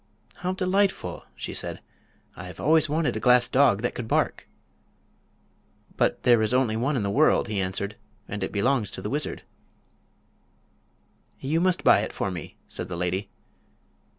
"How delightful!" she said. "I've always wanted a glass dog that could bark." "But there is only one in the world," he answered, "and it belongs to the wizard." "You must buy it for me," said the lady.